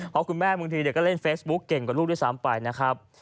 เพราะคุณแม่บางทีก็เล่นเฟซบุ๊กเก่งกว่าลูกด้วยซ้ำไปนะครับ